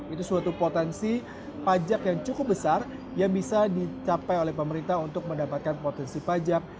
itu suatu potensi pajak yang cukup besar yang bisa dicapai oleh pemerintah untuk mendapatkan potensi pajak